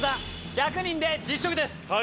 １００人で実食です。